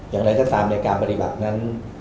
อย่างไรก็ตามในการปฏิบัตินั้น